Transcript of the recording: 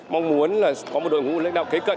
mong muốn là có một đội ngũ lãnh đạo kế cận